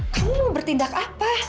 kamu mau bertindak apa